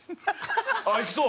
あっいきそう！」